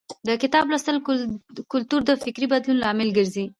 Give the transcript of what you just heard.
د کتاب لوستلو کلتور د فکري بدلون لامل ګرځي.